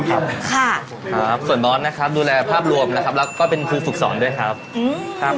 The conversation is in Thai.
ค่ะส่วนบอสนะครับดูแลภาพรวมนะครับแล้วก็เป็นคุณฝึกสอนด้วยครับ